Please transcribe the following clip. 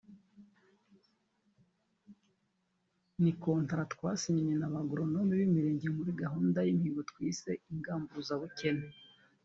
ni kontara twasinyanye na ba agronome b΄imirenge muri gahunda y΄imihigo twise ingamburuzabukene